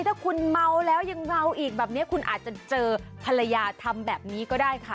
ถ้าคุณเมาแล้วยังเมาอีกแบบนี้คุณอาจจะเจอภรรยาทำแบบนี้ก็ได้ค่ะ